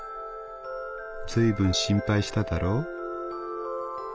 『ずいぶん心配しただろ？』」。